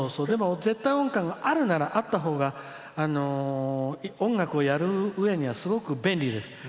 でも絶対音感があるならあったほうが音楽をやるうえにはすごく便利です。